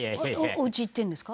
おうち行ってるんですか？